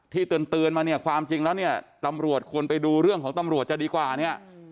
เตือนมาเนี่ยความจริงแล้วเนี่ยตำรวจควรไปดูเรื่องของตำรวจจะดีกว่าเนี่ย